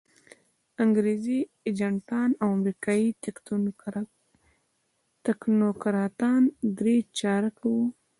انګریزي ایجنټان او امریکایي تکنوکراتان درې چارکه وو.